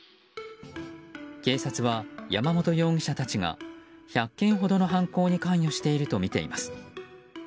警察は、山本容疑者たちが１００件ほどの犯行に関与しているとみています。